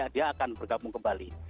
dia akan bergabung kembali